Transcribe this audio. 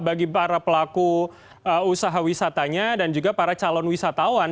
bagi para pelaku usaha wisatanya dan juga para calon wisatawan